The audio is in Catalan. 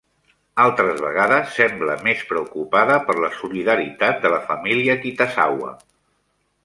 Altres vegades sembla més preocupada per la solidaritat de la família Kitazawa.